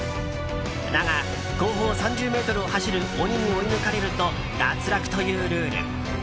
だが、後方３０ｍを走る鬼に追い抜かれると脱落というルール。